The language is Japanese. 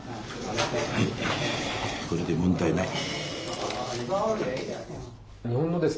これで問題ない。